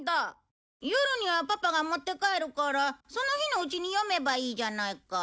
夜にはパパが持って帰るからその日のうちに読めばいいじゃないか。